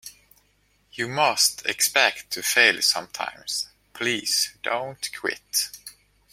You must expect to fail sometimes; please don't quit.